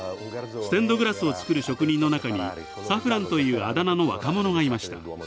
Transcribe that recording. ステンドグラスを作る職人の中にサフランというあだ名の若者がいました。